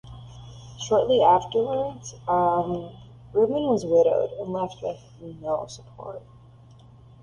Shortly afterwards, Umm Ruman was widowed and left with no support.